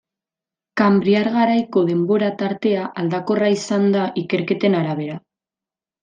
Kanbriar garaiko denbora tartea aldakorra izan da ikerketen arabera.